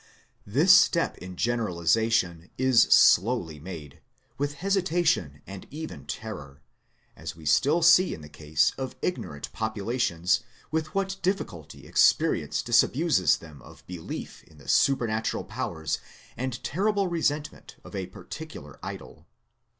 This step in generalization is slowly made, with hesitation and even terror ; as we still see in the case of ignorant populations with what difficulty experience disabuses them of belief in the supernatural powers and terrible resentment of a particular idol.